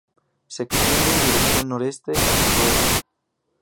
Se extiende en dirección noreste a sudoeste.